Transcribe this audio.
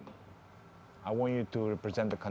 saya ingin kamu mewakili negara